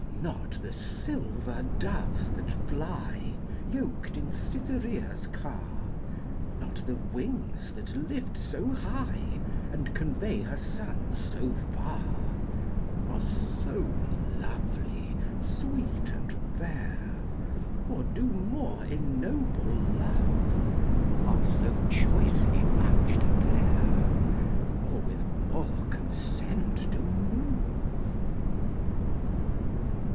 Not the silver doves that fly, Yoked in Cytherea's car; Not the wings that lift so high, And convey her son so far; Are so lovely, sweet, and fair, Or do more ennoble love; Are so choicely matched a pair, Or with more consent do move.